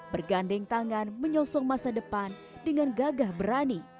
bergandeng tangan menyongsong masa depan dengan gagah berani